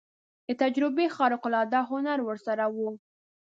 د تجربې خارق العاده هنر ورسره و.